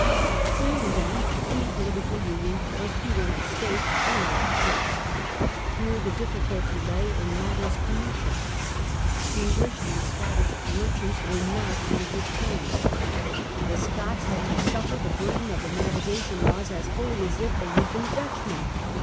Clearly, then, any political union must be one of state and not of church. Here the difficulty lay in mat ters commercial. English and Scottish merchants were THE UNION WITH SCOTLANIX 1 23 not on good terms. The Scots had to suffer the burden of the navigation laws as fully as if they had been Dutch men.